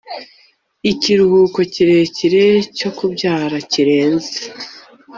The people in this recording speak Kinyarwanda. ikiruhuko kirekire cyo kubyara kirenze